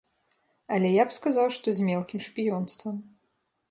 Але я б сказаў, што з мелкім шпіёнствам.